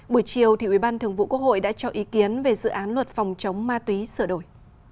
buổi chiều thì ủy ban thường vụ quốc hội đã cho ý kiến về dự án luật phòng chống ma túy sửa đổi